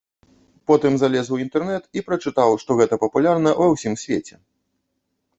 Потым залез у інтэрнэт і прачытаў, што гэта папулярна ва ўсім свеце.